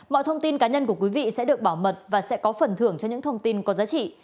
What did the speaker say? mọi thông tin cá nhân của quý vị sẽ được bảo mật và sẽ có phần thưởng cho những thông tin có giá trị